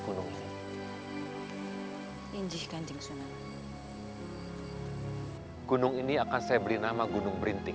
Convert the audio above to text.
gunung ini injihkan jingsun gunung ini akan saya beri nama gunung berintik